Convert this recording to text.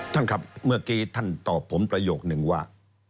ท่านครับเมื่อกี้ท่านตอบผมประโยคนึงว่า